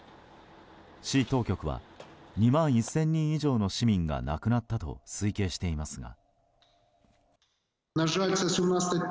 市当局は２万１０００人以上の市民が亡くなったと推計していますが。